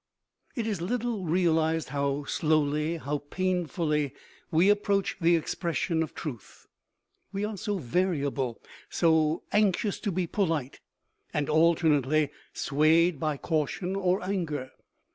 It is little realized how slowly, how painfully, we approach the expression of truth. We are so variable, so anxious to be polite, and alternately swayed by caution or anger.